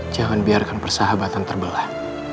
jangan biarkan persahabatan terbelah